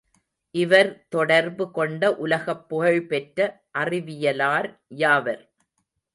இவர் தொடர்பு கொண்ட உலகப்புகழ்பெற்ற அறிவியலார் யாவர்?